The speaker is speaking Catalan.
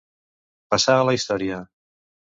Passar a la història.